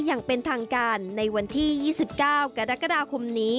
อย่างเป็นทางการในวันที่๒๙กรกฎาคมนี้